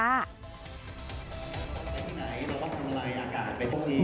ไหนแล้วว่าทำอะไรอาการเป็นตรงนี้